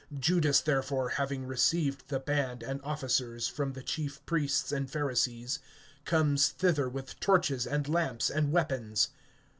(3)Judas therefore, having received the band and officers from the chief priests and Pharisees, comes thither with torches and lamps and weapons.